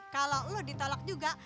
kalau lu ditolak juga